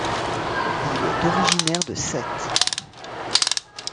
Il est originaire de Sète.